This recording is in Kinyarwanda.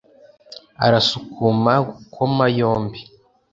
arasukuma gukoma yombi